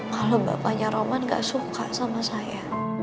kalau bapaknya roman gak suka sama saya